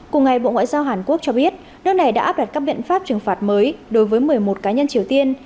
cùng ngày bộ ngoại giao hàn quốc cho biết nước này đã áp đặt các biện pháp trừng phạt mới đối với một mươi một cá nhân triều tiên